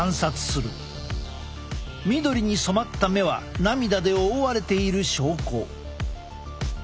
緑に染まった目は涙で覆われている証拠。